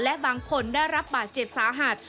และบางคนได้รับบาดเจ็บสาหัส